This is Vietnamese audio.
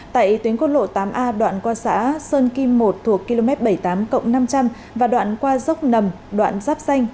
tại tuyến quốc lộ tám a đoạn qua xã sơn kim một thuộc km bảy mươi tám năm trăm linh và đoạn qua dốc nầm đoạn giáp xanh